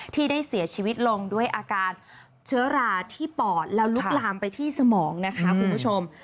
ที่ได้เสียชีวิตลงด้วยอาการเชื้อราที่ปอดแล้วลุกลามไปที่สมองนะคะคุณผู้ชม